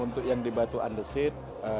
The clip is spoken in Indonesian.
untuk yang di batu andesit